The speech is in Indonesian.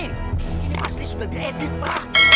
ini pasti sudah diedit pak